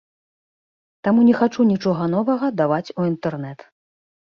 Таму не хачу нічога новага даваць у інтэрнэт.